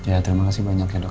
ya terima kasih banyak ya dok